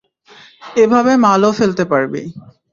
এভাবে মালও ফেলতে পারবি।